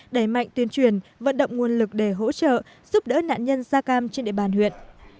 đẩy mạnh tuyên truyền vận động nguồn lực để hỗ trợ giúp đỡ nạn nhân da cam trên địa bàn huyện